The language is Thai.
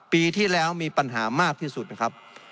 ปีที่แล้วมีปัญหามากที่สุดนะครับ